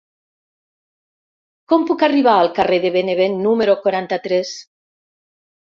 Com puc arribar al carrer de Benevent número quaranta-tres?